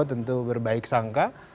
tentu berbaik sangka